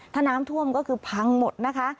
ถ้าน้ำท่วมก็คือพังหมดนะคะ